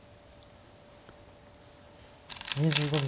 ２５秒。